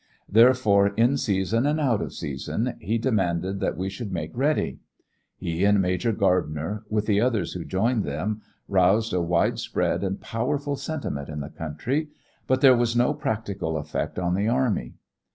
Therefore in season and out of season he demanded that we should make ready. He and Major Gardner, with the others who joined them, roused a widespread and powerful sentiment in the country, but there was no practical effect on the Army.